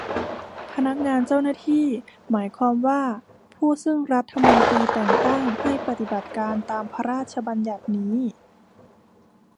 พนักงานเจ้าหน้าที่ หมายความว่า ผู้ซึ่งรัฐมนตรีแต่งตั้งให้ปฏิบัติการตามพระราชบัญญัตินี้